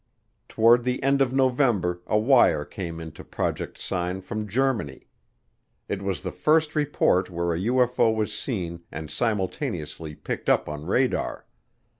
Toward the end of November a wire came into Project Sign from Germany. It was the first report where a UFO was seen and simultaneously picked up on radar.